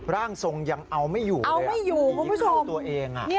ร่างทรงยังเอาไม่อยู่ยังเข้าตัวเอง